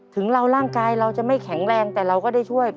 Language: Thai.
ถึงเราร่างกายเราจะไม่แข็งแรงแต่เราก็ได้ช่วย